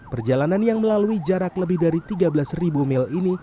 perjalanan yang melalui jarak lebih dari tiga belas mil ini